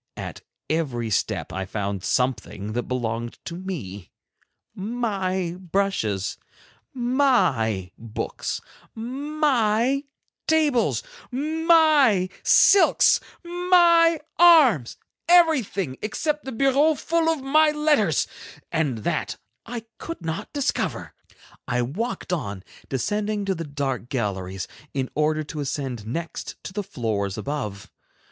At every step I found something that belonged to me; my brushes, my books, my tables, my silks, my arms, everything, except the bureau full of my letters, and that I could not discover. I walked on, descending to the dark galleries, in order to ascend next to the floors above.